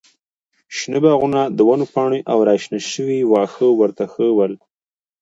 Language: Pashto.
شنه باغونه، د ونو پاڼې او راشنه شوي واښه ورته ښه ول.